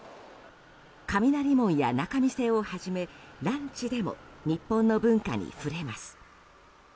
雷門や仲見世をはじめランチでも日本の文化に触れます。